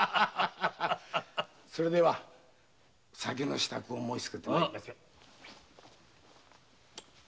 それでは酒の支度を申しつけて参りましょう。